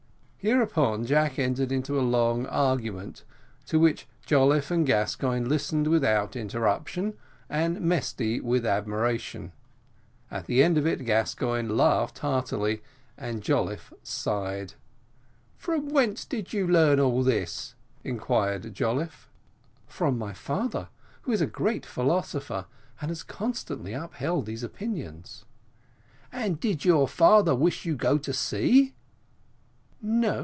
Hereupon Jack entered into a long argument, to which Jolliffe and Gascoigne listened without interruption, and Mesty with admiration: at the end of it, Gascoigne laughed heartily and Jolliffe sighed. "From whence did you learn all this?" inquired Jolliffe. "From my father, who is a great philosopher, and has constantly upheld these opinions." "And did your father wish you to go to sea?"